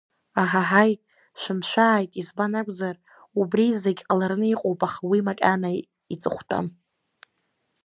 Аҳаҳаи шәымшәааит, избан акәзар убри зегьы ҟалараны иҟоуп, аха уи макьана иҵыхәтәам.